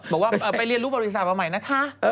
บอกว่าไปเรียนรู้บริษัทมาใหม่นะคะ